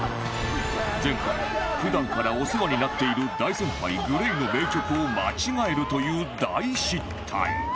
前回普段からお世話になっている大先輩 ＧＬＡＹ の名曲を間違えるという大失態！